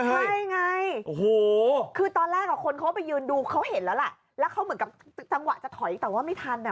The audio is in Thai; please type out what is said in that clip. ใช่ไงคือตอนแรกใครไปยืนดูก็เห็นแล้วก็เหมือนจะถอยอีกแต่ไม่ทัน